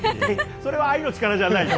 それは愛の力じゃないよ。